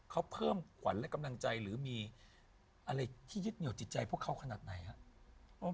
เขาเพิ่มขวัญและกำลังใจหรือมีอะไรที่ยึดเหนียวจิตใจพวกเขาขนาดไหนครับ